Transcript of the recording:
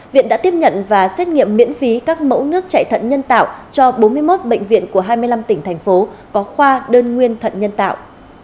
viện đã tiếp nhận và xét nghiệm miễn phí các mẫu nước chạy thận nhân tạo cho bốn mươi một bệnh viện của hai mươi năm tỉnh thành phố có khoa đơn nguyên thận nhân tạo